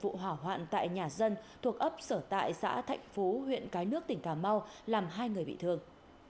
vụ hỏa hoạn tại nhà dân thuộc ấp sở tại xã thạnh phú huyện cái nước tỉnh cà mau làm hai người bị thương